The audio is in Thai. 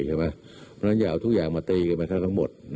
เพราะนั่นจะเอาทุกอย่างมาตรีกันไปครั้งทั้งหมด